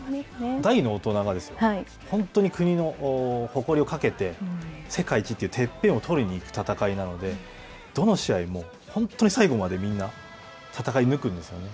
大の大人がですよ、本当に国の誇りをかけて、世界一というてっぺんを取りに行く戦いなので、どの試合も本当に最後までみんな、戦い抜くんですよね。